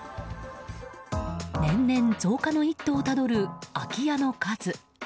年々、増加の一途をたどる空き家の数。